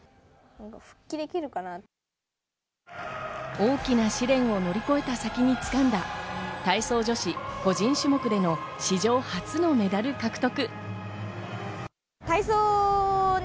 大きな試練を乗り越えた先に掴んだ体操女子個人種目での史上初のメダル獲得。